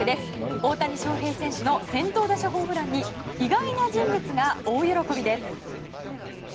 大谷翔平選手の先頭打者ホームランに意外な人物が大喜びです。